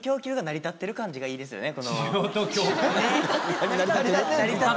成り立ってる感じがいいですよね。